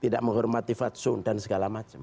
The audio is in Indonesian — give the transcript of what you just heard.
tidak menghormati fatsun dan segala macam